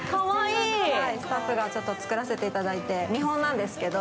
スタッフが作らせていただいて、見本なんですけど。